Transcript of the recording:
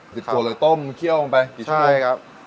สิบตัวเลยต้มเคี้ยวลงไปกี่ชั่วรุ่งใช่ครับ